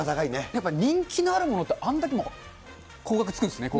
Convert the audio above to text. やっぱ人気のあるものって、あんだけの高額つくんですね。